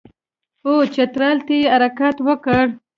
او چترال ته یې حرکت وکړ.